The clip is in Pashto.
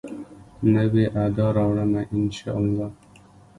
نوي ادا راوړمه، ان شاالله